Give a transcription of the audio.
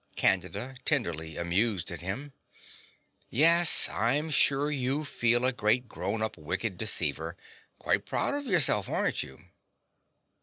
CANDIDA (tenderly amused at him). Yes: I'm sure you feel a great grown up wicked deceiver quite proud of yourself, aren't you?